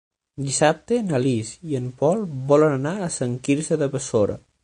Dissabte na Lis i en Pol volen anar a Sant Quirze de Besora.